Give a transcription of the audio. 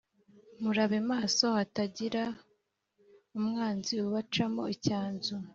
Murabe maso hatagira umwanzi ubacamo icyanzu